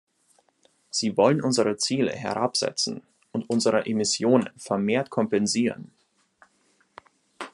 Sie wollen unsere Ziele herabsetzen und unsere Emissionen vermehrt kompensieren.